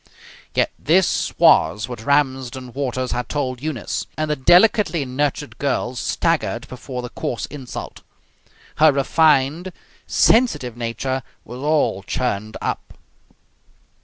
Yet this was what Ramsden Waters had told Eunice, and the delicately nurtured girl staggered before the coarse insult. Her refined, sensitive nature was all churned up.